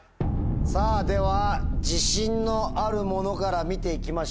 さぁでは自信のあるものから見て行きましょう。